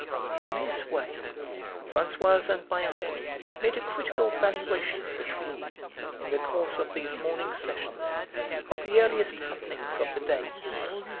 In this way Françoise and my aunt made a critical valuation between them, in the course of these morning sessions, of the earliest happenings of the day.